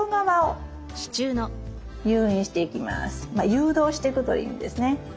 誘導していくという意味ですね。